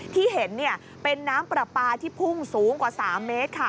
ที่เห็นเป็นน้ำปลาปลาที่พุ่งสูงกว่า๓เมตรค่ะ